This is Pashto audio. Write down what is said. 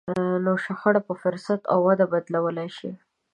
نو شخړه په فرصت او وده بدلولای شئ.